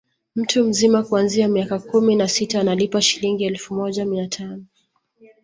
Mtu mzima kuanzia miaka kumi na sita analipa Shilingi elfu moja mia tano